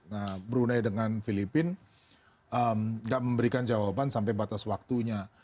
nah brunei dengan filipina gak memberikan jawaban sampai batas waktunya